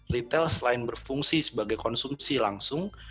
retail selain berfungsi sebagai konsumsi langsung